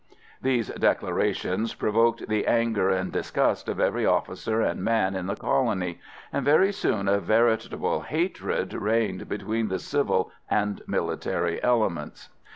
These declarations provoked the anger and disgust of every officer and man in the colony, and very soon a veritable hatred reigned between the civil and military elements.